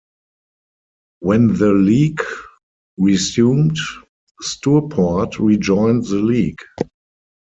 When the league resumed Stourport rejoined the league.